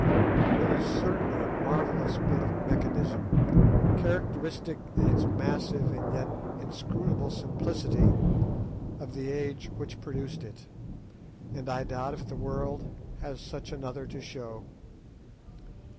It is certainly a marvellous bit of mechanism, characteristic, in its massive and yet inscrutable simplicity, of the age which produced it; and I doubt if the world has such another to show.